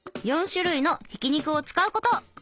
４種類のひき肉を使うこと！